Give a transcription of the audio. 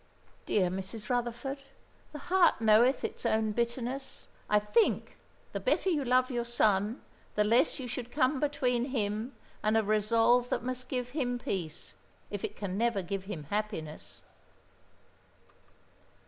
"Dear Mrs. Rutherford, the heart knoweth its own bitterness. I think, the better you love your son the less you should come between him and a resolve that must give him peace, if it can never give him happiness."